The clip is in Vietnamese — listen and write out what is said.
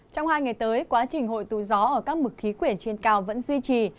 trong hai ngày tới quá trình hội tụ gió ở các mực khí quyển trên cao vẫn duy trì